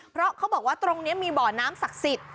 เพราะเขาบอกว่าตรงนี้มีบ่อน้ำศักดิ์สิทธิ์